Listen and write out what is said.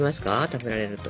食べられると。